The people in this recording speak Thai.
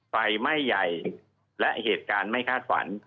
ไฟไหม้ใหญ่และเหตุการณ์ไม่คาดฝัน